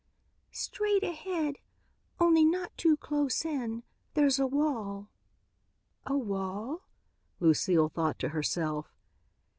"Straight ahead, only not too close in. There's a wall." "A wall?" Lucile thought to herself.